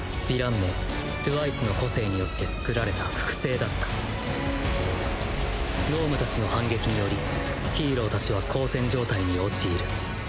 名トゥワイスの個性によって作られた複製だった脳無達の反撃によりヒーロー達は交戦状態に陥る